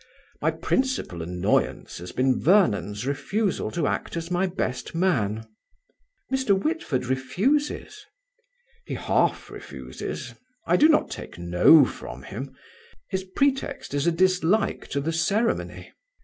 My principal annoyance has been Vernon's refusal to act as my best man." "Mr. Whitford refuses?" "He half refuses. I do not take no from him. His pretext is a dislike to the ceremony."